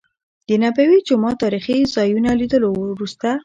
د نبوي جومات تاريخي ځا يونو لیدلو وروسته.